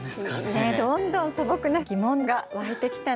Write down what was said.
いいねどんどん素朴な疑問が湧いてきたね。